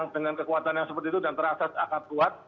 dengan kekuatan yang seperti itu dan terasa sangat kuat